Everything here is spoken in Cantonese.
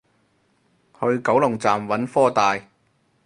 去九龍站揾科大